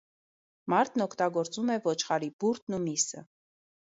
Մարդն օգտագործում է ոչխարի բուրդն ու միսը։